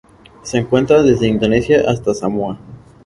Se encuentra desde Indonesia hasta Samoa.